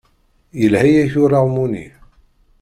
Yelha-yak ulaɣmu-nni.